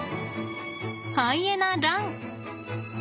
ハイエナラン！